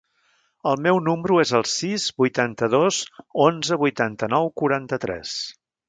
El meu número es el sis, vuitanta-dos, onze, vuitanta-nou, quaranta-tres.